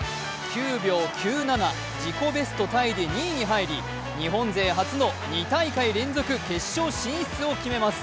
９秒９７、じこべすで２位に入り日本勢初の２大会連続決勝進出を決めます。